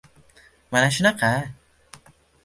Mana shunaqa.